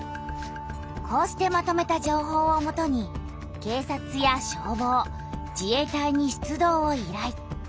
こうしてまとめた情報をもとに警察や消防自衛隊に出動を依頼。